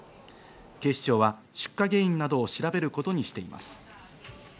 警視庁は出火原因などを調べることにしています。